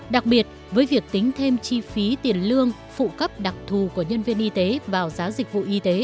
đặc biệt với việc tính thêm chi phí tiền lương phụ cấp đặc thù của nhân viên y tế vào giá dịch vụ y tế